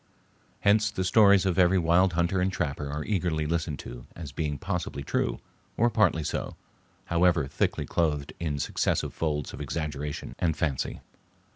Hence the stories of every wild hunter and trapper are eagerly listened to as being possibly true, or partly so, however thickly clothed in successive folds of exaggeration and fancy.